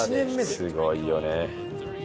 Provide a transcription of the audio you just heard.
「すごいよね」